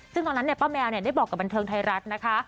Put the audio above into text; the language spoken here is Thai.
ซึ่งตอนนั้นป้าแมวได้บอกกับบันเทิงไทยรัฐนะคะ